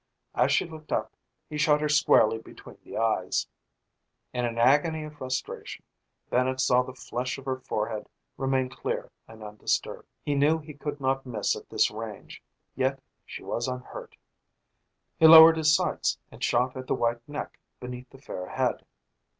As she looked up, he shot her squarely between the eyes. In an agony of frustration, Bennett saw the flesh of her forehead remain clear and undisturbed. He knew he could not miss at this range, yet she was unhurt. He lowered his sights and shot at the white neck beneath the fair head.